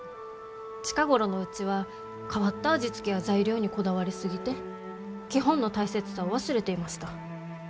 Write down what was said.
近頃のうちは変わった味付けや材料にこだわり過ぎて基本の大切さを忘れていました。